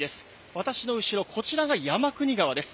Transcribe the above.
私の後ろ、こちらが山国川です。